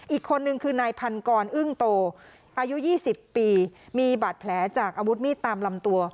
อีกคนนึงคือนายพันกรอึ้งโตอายุ๒๐ปีมีบาดแผลจากอาวุธมีดตามลำตัว